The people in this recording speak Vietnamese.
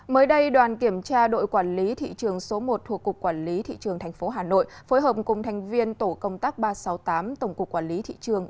mới đây đoàn kiểm tra đội quản lý thị trường số một thuộc cục quản lý thị trường tp hà nội phối hợp cùng thành viên tổ công tác ba trăm sáu mươi tám tổng cục quản lý thị trường